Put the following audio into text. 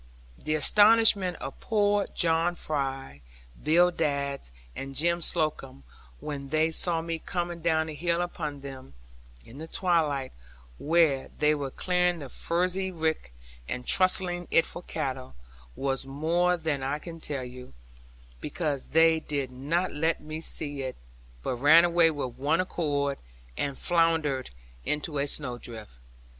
The astonishment of poor John Fry, Bill Dadds, and Jem Slocombe, when they saw me coming down the hill upon them, in the twilight, where they were clearing the furze rick and trussing it for cattle, was more than I can tell you; because they did not let me see it, but ran away with one accord, and floundered into a snowdrift.